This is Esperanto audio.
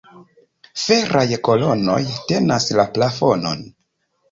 Feraj kolonoj tenas la plafonon.